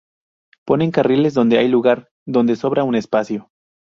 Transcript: Ponen carriles donde hay lugar, donde sobra un espacio".